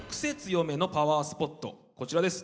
こちらです。